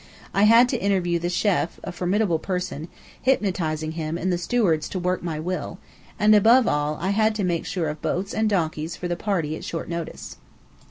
I had to interview the chêf a formidable person hypnotizing him and the stewards to work my will, and above all, I had to make sure of boats and donkeys for the party at short notice.